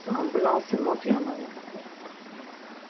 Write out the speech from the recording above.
Ambulansi mot yano moxtu?